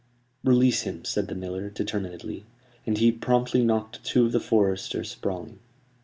"Release him," said the miller, determinedly; and he promptly knocked two of the foresters sprawling.